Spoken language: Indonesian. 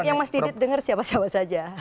yang mas didit dengar siapa siapa saja